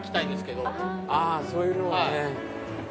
あそういうのね。